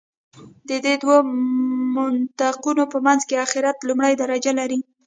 د دې دوو منطقونو په منځ کې آخرت لومړۍ درجه لري.